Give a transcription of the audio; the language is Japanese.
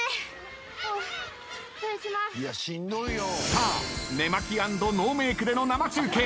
さあ寝間着＆ノーメークでの生中継。